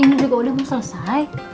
ini juga udah selesai